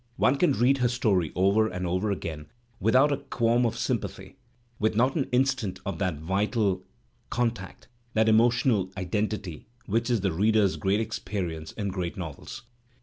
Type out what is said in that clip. One can read her story over and over again without a qualm of sympathy, with not an instant of that vital contact, that emotional identity which is the reader's great experience in great novels.